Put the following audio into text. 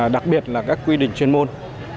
đặc biệt là các quy định chuyên môn